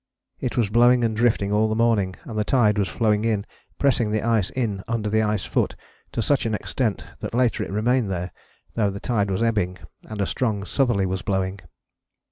It was blowing and drifting all the morning, and the tide was flowing in, pressing the ice in under the ice foot to such an extent that later it remained there, though the tide was ebbing and a strong southerly was blowing."